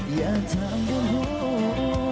อย่าทำเป็นห่วง